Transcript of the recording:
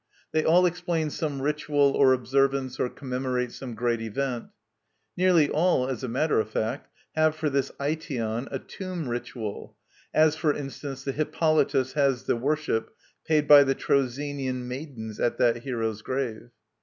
They all explain some ritual or observance or commemorate some great event. Nearly all, as a matter of fact, have for this Aition a Tomb Ritual, as, for instance, the Hippolytus has the worship paid by the Trozenian Maidens at that hero's grave.